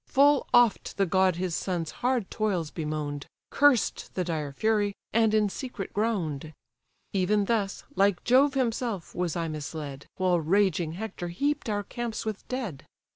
Full oft the god his son's hard toils bemoan'd, Cursed the dire fury, and in secret groan'd. Even thus, like Jove himself, was I misled, While raging Hector heap'd our camps with dead.